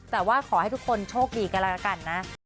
แต่ว่าขอให้ทุกคนโชคดีกันแล้วละกันนะ